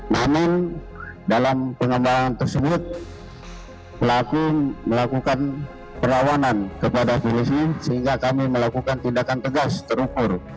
namun dalam pengembangan tersebut pelaku melakukan perlawanan kepada polisi sehingga kami melakukan tindakan tegas terukur